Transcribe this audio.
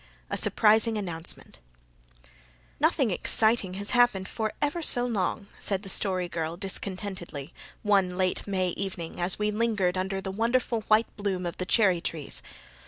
A SURPRISING ANNOUNCEMENT "Nothing exciting has happened for ever so long," said the Story Girl discontentedly, one late May evening, as we lingered under the wonderful white bloom of the cherry trees.